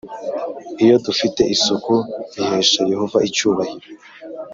Iyo dufite isuku bihesha Yehova icyubahiro